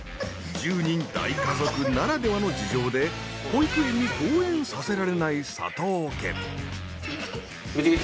１０人大家族ならではの事情で保育園に登園させられない佐藤家。